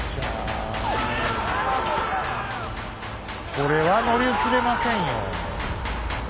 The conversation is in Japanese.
これは乗り移れませんよ。